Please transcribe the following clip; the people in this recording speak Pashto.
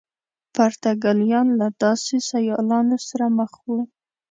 پرتګالیان له داسې سیالانو سره مخ وو.